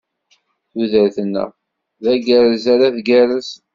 Tudert-nneɣ, d agerrez ara tgerrez.